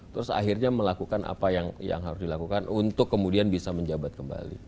terus akhirnya melakukan apa yang harus dilakukan untuk kemudian bisa menjabat kembali